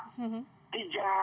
jadi jumlah sementara